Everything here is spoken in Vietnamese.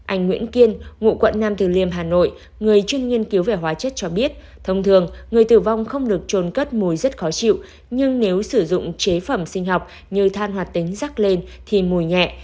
anh nguyễn kiên ngụ quận nam từ liêm hà nội người chuyên nghiên cứu về hóa chất cho biết thông thường người tử vong không được trôn cất mùi rất khó chịu nhưng nếu sử dụng chế phẩm sinh học như than hoạt tính rắc lên thì mùi nhẹ